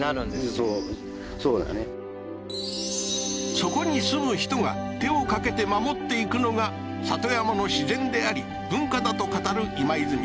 そこに住む人が手を掛けて守っていくのが里山の自然であり文化だと語る今泉さん